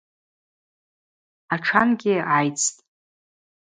Атшангьи гӏайцтӏ.